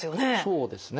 そうですね。